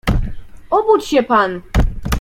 "Obudź się pan!"